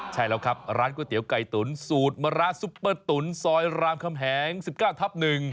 ใช่แล้วครับร้านก๋วยเตี๋ยวไก่ตุ๋นสูตรมะระซุปเปอร์ตุ๋นซอยรามคำแหง๑๙ทับ๑